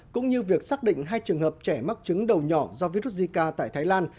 cũng như việc xác định hai trường hợp trẻ mắc chứng đầu nhỏ do virus zika tại thái lan